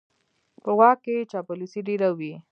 په واک کې چاپلوسي ډېره وي.